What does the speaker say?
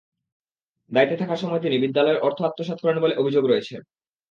দায়িত্বে থাকার সময় তিনি বিদ্যালয়ের অর্থ আত্মসাৎ করেন বলে অভিযোগ রয়েছে।